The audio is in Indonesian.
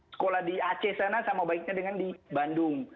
sekolah di aceh sana sama baiknya dengan di bandung